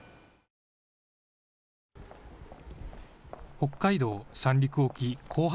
北海道・三陸沖後発